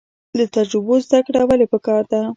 له تجربو زده کړه ولې پکار ده؟